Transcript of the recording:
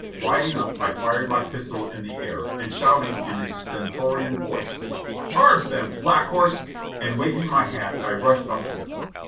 Riding up I fired my pistol in the air, and shouting in a stentorian voice ; "Charge them ! Black Horse I" and waving my hat I rushed up to them.